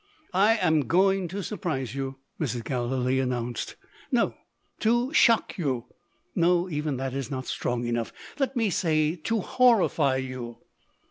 "I am going to surprise you," Mrs. Gallilee announced. "No to shock you. No even that is not strong enough. Let me say, to horrify you."